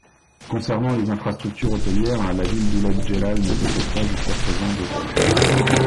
Concernant les infrastructures hôtelières, la ville d'Ouled Djellal ne possède pas, jusqu'à présent, d'hôtel.